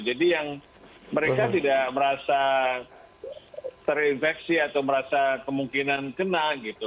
jadi yang mereka tidak merasa terinfeksi atau merasa kemungkinan kena gitu